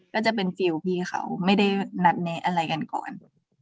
ก็จะเป็นฟิลล์พี่เขาไม่ได้นัดแนะอะไรกันก่อน